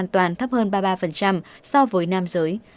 nữ giới có khả năng hồi phục hoàn toàn thấp hơn ba mươi ba so với nam giới